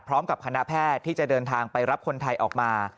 พร้อมกับคณะแพทย์ที่จะเดินทางไปรับคนไทยออกมา